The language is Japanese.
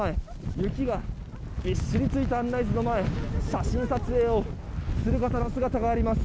雪がびっしりついた案内図の前写真撮影をする方の姿があります。